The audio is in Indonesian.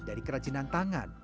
dari kerajinan tangan